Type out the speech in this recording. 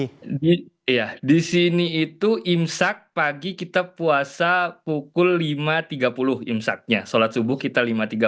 iya di sini itu imsak pagi kita puasa pukul lima tiga puluh imsaknya sholat subuh kita lima tiga puluh